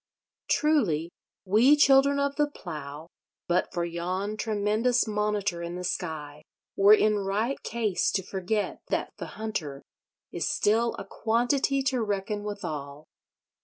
Truly, we Children of the Plough, but for yon tremendous Monitor in the sky, were in right case to forget that the Hunter is still a quantity to reckon withal.